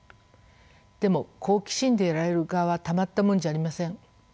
でも好奇心でやられる側はたまったもんじゃありません。